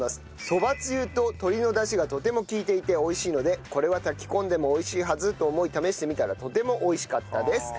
そばつゆと鶏のダシがとても利いていて美味しいのでこれは炊き込んでも美味しいはずと思い試してみたらとても美味しかったです。